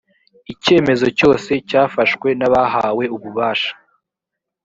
icyemezo cyose cyafashwe n abahawe ububasha